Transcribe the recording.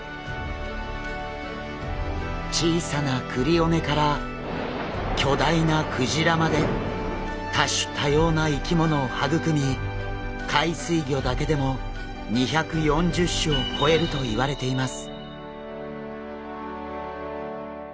小さなクリオネから巨大なクジラまで多種多様な生き物を育み海水魚だけでも２４０種を超えるといわれています。